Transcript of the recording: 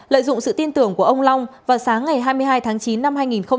lợi dụng sự tin tưởng của ông long vào sáng ngày hai mươi hai tháng chín năm hai nghìn một mươi chín